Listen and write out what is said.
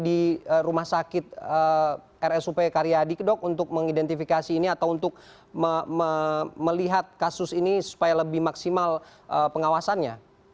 di rumah sakit rsup karyadi dok untuk mengidentifikasi ini atau untuk melihat kasus ini supaya lebih maksimal pengawasannya